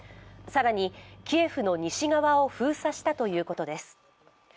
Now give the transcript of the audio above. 更に、キエフの西側を封鎖したということです。